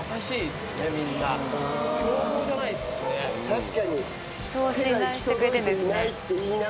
確かに。